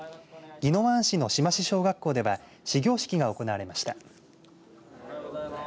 宜野湾市の志真志小学校では始業式が行われました。